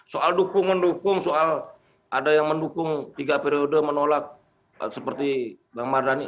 soal dukung mendukung soal ada yang mendukung tiga periode menolak seperti bang mardhani